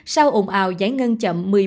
sau ủng ảo giải ngân chậm